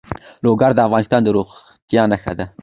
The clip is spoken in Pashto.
لوگر د افغانستان د زرغونتیا نښه ده.